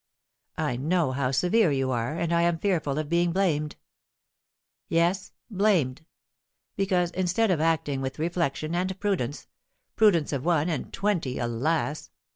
I know how severe you are, and I am fearful of being blamed. Yes, blamed; because, instead of acting with reflection and prudence (prudence of one and twenty, alas!)